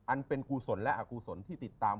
อันเป็นกุศลและอกุศลที่ติดตาม